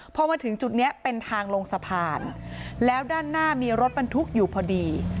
พอมาถึงจุดนี้เป็นทางลงสะพานแล้วด้านหน้ามีรถบรรทุกอยู่พอดี